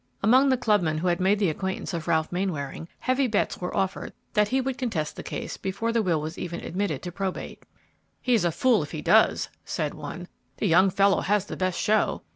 Among the clubmen who had made the acquaintance of Ralph Mainwaring, heavy bets were offered that he would contest the case before the will was even admitted to probate. "He is a fool if he does," said one; "the young fellow has the best show."